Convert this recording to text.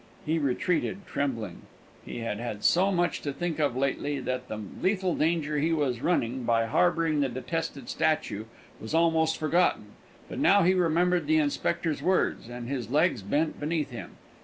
He retreated, trembling. He had had so much to think of lately, that the legal danger he was running, by harbouring the detested statue, was almost forgotten; but now he remembered the Inspector's words, and his legs bent beneath him.